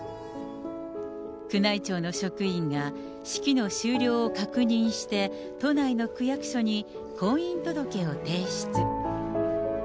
宮内庁の職員が、式の終了を確認して、都内の区役所に婚姻届を提出。